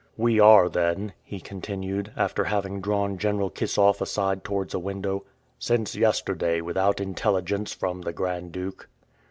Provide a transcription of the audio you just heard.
"We are, then," he continued, after having drawn General Kissoff aside towards a window, "since yesterday without intelligence from the Grand Duke?"